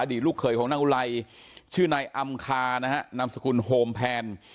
อดีตลูกเขยของนางอุไลชื่อในอำคานะฮะนำสคุณโฮมแพน